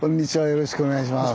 よろしくお願いします。